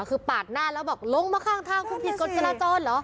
คือปาดหน้าแล้วบอกลงมาข้างทางคุณผิดกฎจราจรเหรอ